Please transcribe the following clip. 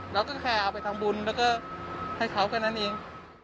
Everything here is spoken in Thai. แล้วก็แค่เอาไปทางบุญแล้วก็ให้เขาแค่นั้นอีก